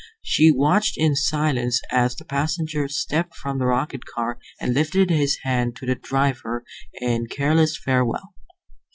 She watched in silence as the passenger stepped from the rocket car and lifted his hand to the driver in careless farewell.